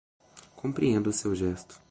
Compreendo o seu gesto